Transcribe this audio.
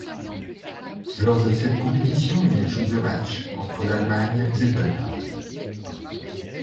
Lors de cette compétition, il joue deux matchs, contre l'Allemagne et le Danemark.